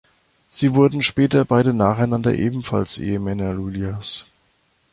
Sie wurden später beide nacheinander ebenfalls Ehemänner Iulias.